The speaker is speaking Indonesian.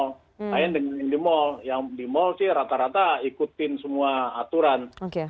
lain dengan yang di mall yang di mall sih rata rata ikutin semua aturan